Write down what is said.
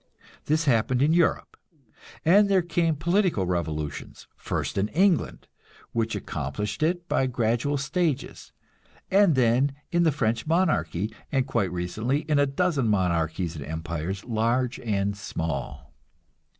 This happened in Europe, and there came political revolutions first in England, which accomplished it by gradual stages, and then in the French monarchy, and quite recently in a dozen monarchies and empires, large and small.